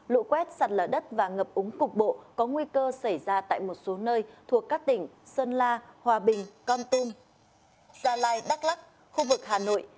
lũ quét sạt lở đất và ngập úng cục bộ có nguy cơ xảy ra tại một số nơi thuộc các tỉnh sơn la hòa bình con tum gia lai đắk lắc khu vực hà nội